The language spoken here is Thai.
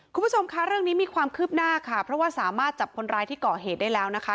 คุณผู้ชมคะเรื่องนี้มีความคืบหน้าค่ะเพราะว่าสามารถจับคนร้ายที่ก่อเหตุได้แล้วนะคะ